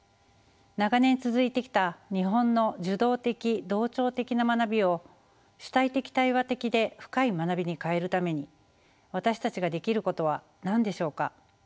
長年続いてきた日本の受動的同調的な学びを主体的対話的で深い学びに変えるために私たちができることは何でしょうか？